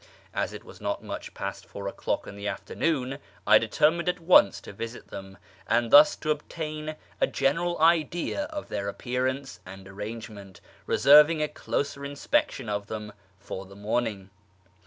As it was not much past four o'clock in the afternoon, I determined at once to visit them, and thus to obtain a general idea of their appearance and arrangement, reserving a closer inspection of them for the morning.